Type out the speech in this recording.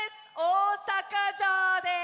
おおさかじょうです！